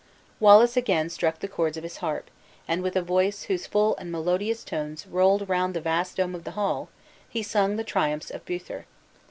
Wallace again struck the chords of his harp; and with a voice whose full and melodious tones rolled round the vast dome of the hall, he sung the triumphs of Beuther.